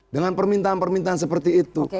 dengan permintaan permintaan seperti itu